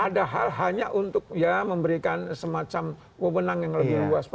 padahal hanya untuk memberikan semacam wabonang yang lebih luas